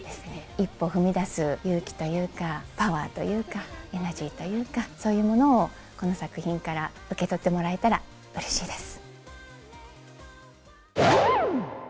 一歩踏み出す勇気というか、パワーというか、エナジーというか、そういうものをこの作品から受け取ってもらえたらうれしいです。